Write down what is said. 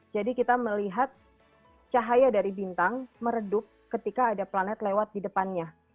jadi kita melihat cahaya dari bintang meredup ketika ada planet lewat di depannya